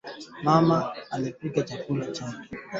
Mama eko piya na haki ya ku fanya kazi yoyote